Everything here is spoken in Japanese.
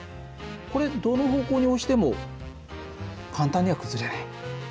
これどの方向に押しても簡単には崩れない。